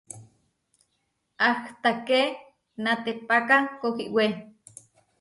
Ahtaké natépaka kohiwé.